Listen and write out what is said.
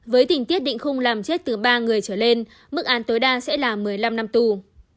với tình tiết định khung làm chết từ ba người trở lên mức án tối đa sẽ là một mươi năm năm tù